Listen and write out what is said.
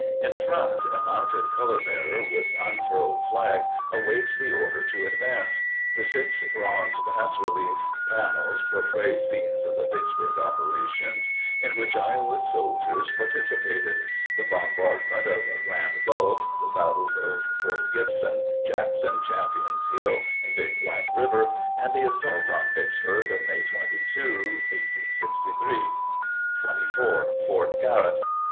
In front, a mounted colorbearer with unfurled flag awaits the order to advance. The six bronze bas relief panels portray scenes of the Vicksburg operations in which Iowa soldiers participated—the bombardment of Grand Gulf, the battles of Port Gibson, Jackson, Champion's Hill, and Big Black River, and the assault on Vicksburg of May 22, 1863. 24. FORT GARROTT.